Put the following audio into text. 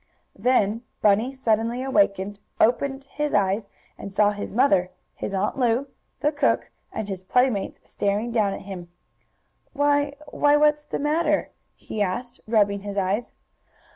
Then Bunny, suddenly awakened, opened his eyes and saw his mother, his Aunt Lu, the cook and his playmates staring down at him. "Why why what's the matter?" he asked, rubbing his eyes.